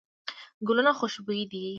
ګلونه خوشبوي دي.